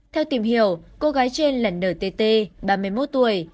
theo tìm hiểu cô gái trên là ntt ba mươi một tuổi